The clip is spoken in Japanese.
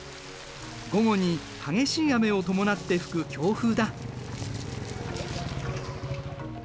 午後に激しい雨を伴って吹く強風だ。